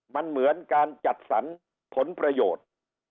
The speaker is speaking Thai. มันเหมือนการจัดสรรผลประโยชน์